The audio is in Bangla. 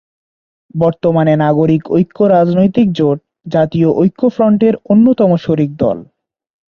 বর্তমানে নাগরিক ঐক্য রাজনৈতিক জোট জাতীয় ঐক্য ফ্রন্টের অন্যতম শরিক দল।